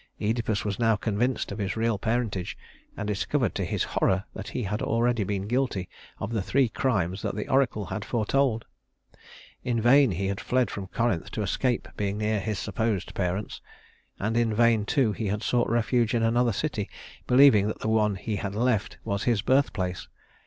Œdipus was now convinced of his real parentage, and discovered to his horror that he had already been guilty of the three crimes that the oracle had foretold. In vain he had fled from Corinth to escape being near his supposed parents; and in vain, too, had he sought refuge in another city, believing that the one he had left was his birthplace.